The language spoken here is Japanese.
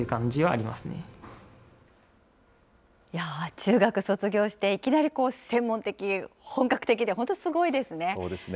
中学卒業していきなり専門的、本格的で本当すごいですね。